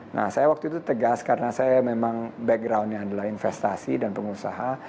nah saya waktu itu tegas karena saya memang backgroundnya adalah investasi dan pengusaha